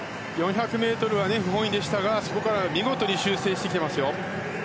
４００ｍは不本意でしたがそこから見事に修正してきてますよ。